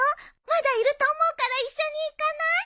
まだいると思うから一緒に行かない？